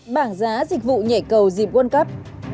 bảng giá dịch vụ nhảy cầu dịp world cup